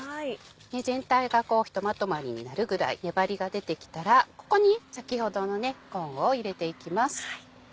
全体がひとまとまりになるぐらい粘りが出てきたらここに先ほどのコーンを入れていきます。